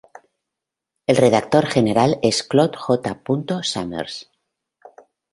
El redactor general es Claude J. Summers.